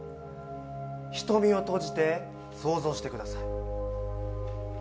瞳を閉じて想像してください。